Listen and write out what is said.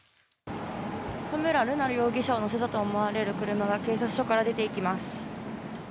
田村瑠奈容疑者を乗せたと思われる車が警察署から出ていきます。